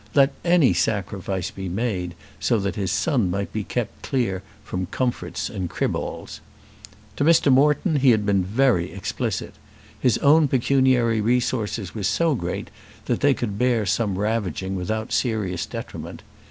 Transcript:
Let any sacrifice be made so that his son might be kept clear from Comforts and Criballs. To Mr. Moreton he had been very explicit. His own pecuniary resources were so great that they could bear some ravaging without serious detriment.